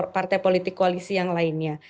partai politik koalisi yang lainnya